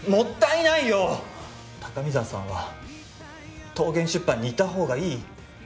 高見沢さんは東源出版にいたほうがいい。